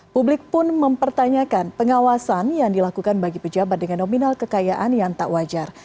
publik pun mempertanyakan pengawasan yang dilakukan bagi pejabat dengan nominal kekayaan yang tak wajar